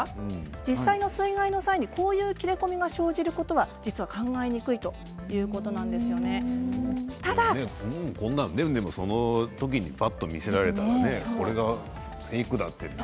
実際の水害の際にこういう切れ込みが生じることは実は考えにくいこんなのその時にぱっと見せられたらね